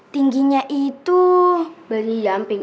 tingginya itu banjing jamping